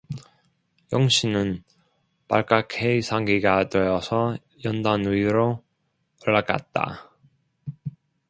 영신은 발갛게 상기가 되어서 연단 위로 올라갔다.